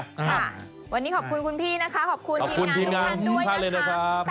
ค่ะวันนี้ขอบคุณคุณพี่นะคะขอบคุณทีมงานทุกท่านด้วยนะคะ